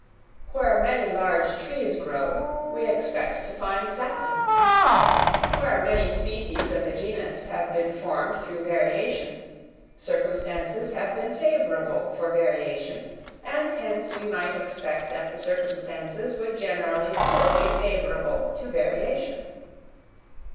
Where many large trees grow, we expect to find saplings. Where many species of a genus have been formed through variation, circumstances have been favourable for variation; and hence we might expect that the circumstances would generally still be favourable to variation.